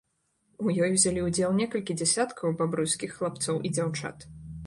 У ёй узялі ўдзел некалькі дзесяткаў бабруйскіх хлапцоў і дзяўчат.